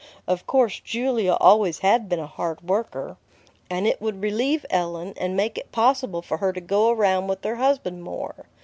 Of course Julia always had been a hard worker; and it would relieve Ellen, and make it possible for her to go around with her husband more.